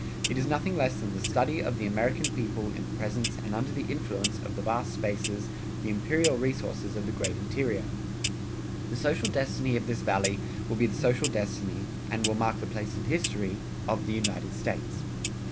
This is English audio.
It is nothing less than the study of the American people in the presence and under the influence of the vast spaces, the imperial resources of the great interior. The social destiny of this Valley will be the social destiny, and will mark the place in history, of the United States.